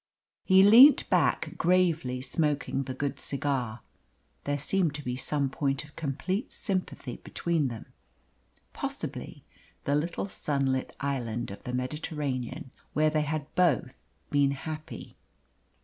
He leant back, gravely smoking the good cigar. There seemed to be some point of complete sympathy between them possibly the little sunlit island of the Mediterranean where they had both been happy.